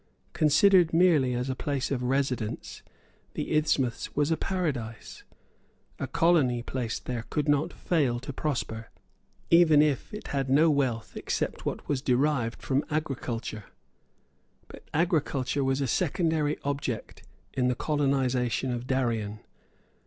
Considered merely as a place of residence, the isthmus was a paradise. A colony placed there could not fail to prosper, even if it had no wealth except what was derived from agriculture. But agriculture was a secondary object in the colonization of Darien.